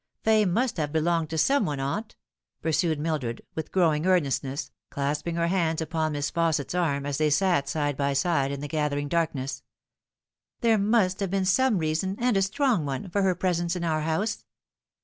Fay must have belonged to some one, aunt," pursued Mildred, with growing earnestness, clasping her hands upon Miss Fausset's arm as they sat side by side in the gathering darkness. " There must have been some reason and a strong one for her presence in our house.